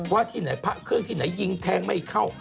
ที่ไหนพระเครื่องที่ไหนยิงแทงไม่เข้า